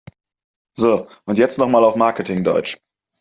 So, und jetzt noch mal auf Marketing-Deutsch!